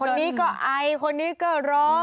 คนนี้ก็ไอคนนี้ก็ร้อง